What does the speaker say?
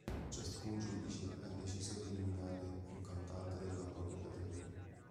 Ciascun giudice ha deciso di eliminare un cantante della propria categoria.